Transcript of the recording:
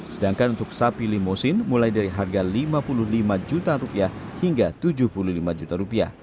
sedangkan untuk sapi limosin mulai dari harga rp lima puluh lima juta hingga rp tujuh puluh lima juta